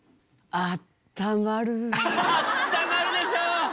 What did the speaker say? あったまるでしょ？